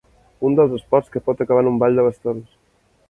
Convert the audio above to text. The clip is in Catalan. Un dels esports que pot acabar en un ball de bastons.